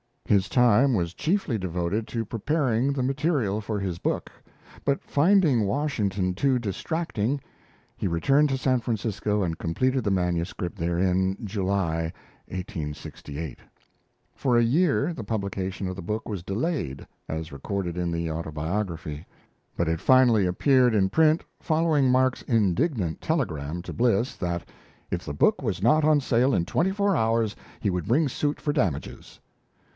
His time was chiefly devoted to preparing the material for his book; but finding Washington too distracting, he returned to San Francisco and completed the manuscript therein July, 1868. For a year the publication of the book was delayed, as recorded in the Autobiography; but it finally appeared in print following Mark's indignant telegram to Bliss that, if the book was not on sale in twenty four hours, he would bring suit for damages.